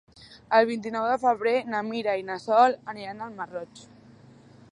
El vint-i-nou de febrer na Mira i na Sol aniran al Masroig.